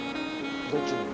どっちに？